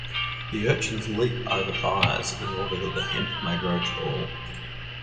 The urchins leap over fires in order that the hemp may grow tall.